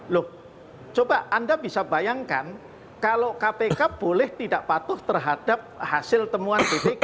loh coba anda bisa bayangkan kalau kpk boleh tidak patuh terhadap hasil temuan bpk